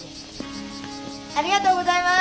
ありがとうございます！